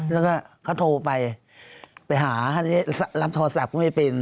แล้วก็เขาโทรไปไปหารับโทรศัพท์ก็ไม่เป็น